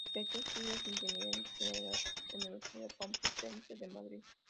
Realizó estudios de Ingeniería Industrial en la Universidad Complutense de Madrid.